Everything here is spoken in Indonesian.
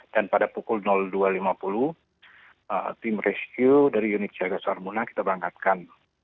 dan pada pukul dua lima puluh tim rescue dari unit jaga sarbuna kita berangkatkan